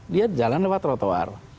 dia jalan lewat trotoar